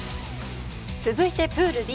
続いて、プールＢ。